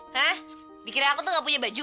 karena dikira aku tuh gak punya baju